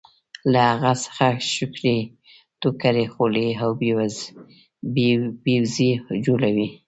له هغه څخه شکرۍ ټوکرۍ خولۍ او ببوزي جوړوي.